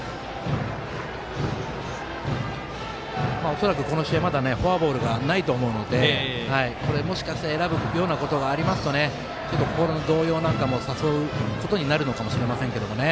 恐らく、まだこの試合フォアボールがないですのでもしかして選ぶようなことがありますと、心の動揺なんかも誘うことになるのかもしれませんけどね。